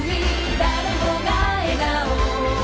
「誰もが笑顔」